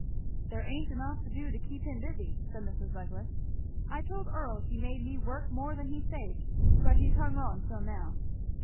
"There ain't enough to do to keep him busy," said Mrs. Douglass. "I told Earl he made me more work than he saved; but he's hung on till now."